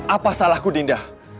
apa salahku dinda